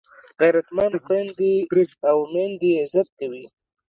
غیرتمند خویندي او میندې عزت کوي